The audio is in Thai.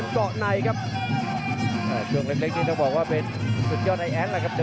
จะเรื่องเล็กนี่แพบก็นายบอกลอย่างเองนะครับ